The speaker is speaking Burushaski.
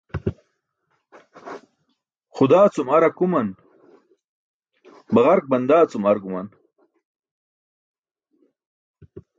Xudaa cum ar akuman, baġark bandaa cum ar guman.